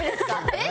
えっ？